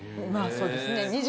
まあそうですね。